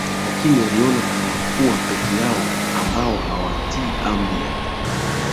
lakini aliona hawakuwa peke yao ambao hawatii amri yake